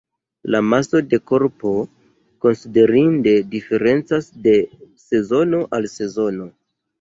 La maso de korpo konsiderinde diferencas de sezono al sezono.